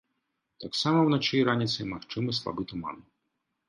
Таксама ўначы і раніцай магчымы слабы туман.